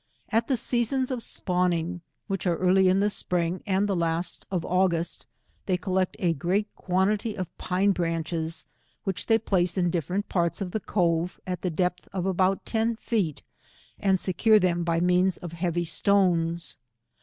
At the seasons of spawning, which are early ia, K 3 106 spring and the last of August* they collect a great quantity of pine branches, which they p'ace in dif ferent parts of the Cove at the depth of about ten feet, and secure them by means of heavy stones.